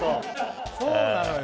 そうなのよ。